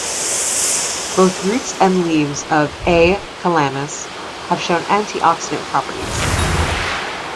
Both roots and leaves of "A. calamus" have shown antioxidant properties.